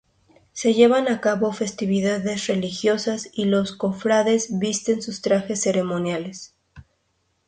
Se llevan a cabo festividades religiosas y los cofrades visten sus trajes ceremoniales.